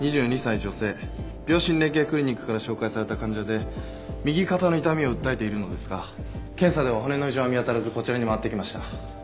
２２歳女性病診連携クリニックから紹介された患者で右肩の痛みを訴えているのですが検査では骨の異常は見当たらずこちらに回ってきました。